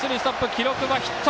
記録はヒット。